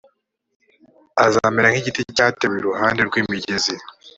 azamera nk’igiti cyatewe iruhande rw’imigezi